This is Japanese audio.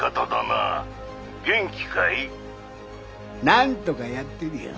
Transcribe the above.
なんとかやってるよ。